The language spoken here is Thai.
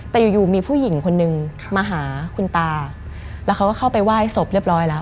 แต่อยู่อยู่มีผู้หญิงคนนึงมาหาคุณตาแล้วเขาก็เข้าไปไหว้ศพเรียบร้อยแล้ว